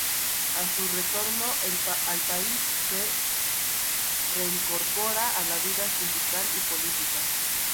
A su retorno al país, se reincorpora a la vida sindical y política.